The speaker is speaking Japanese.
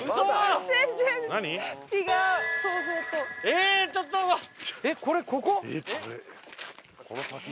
えっこれここ？